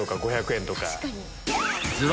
確かに。